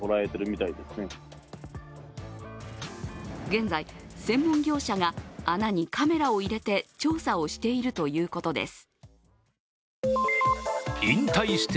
現在、専門業者が穴にカメラを入れて調査しているということです。